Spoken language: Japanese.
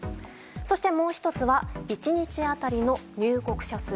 そしてもう１つは１日当たりの入国者数。